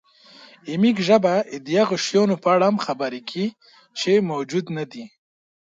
زموږ ژبه د هغو شیانو په اړه هم خبرې کوي، چې موجود نهدي.